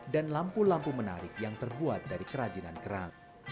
dan lampu lampu menarik yang terbuat dari kerajinan kerang